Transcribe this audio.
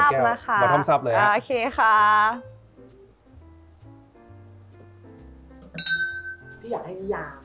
เข้าว่านางงามเดินสายยังไง